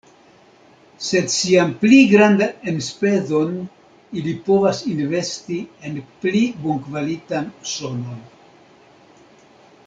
Sed sian pli grandan enspezon ili povas investi en pli bonkvalitan sonon.